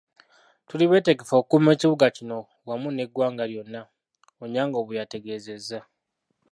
"Tuli beetegefu okukuuma ekibuga kino wamu n'eggwanga lyonna," Onyango bweyategeezezza.